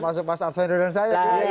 termasuk pak s wendel dan saya